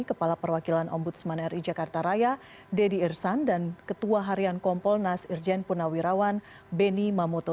kepala perwakilan ombudsman ri jakarta raya dedy irsan dan ketua harian kompolnas irjen purnawirawan beni mamoto